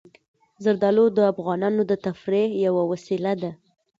زردالو د افغانانو د تفریح یوه وسیله ده.